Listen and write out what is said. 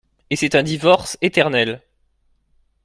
Et c'est un divorce éternel.